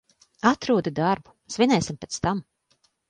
Atrodi darbu, svinēsim pēc tam.